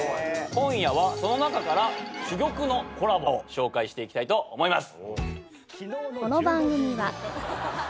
今夜はその中から珠玉のコラボを紹介していきたいと思います。